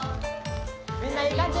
みんないい感じ！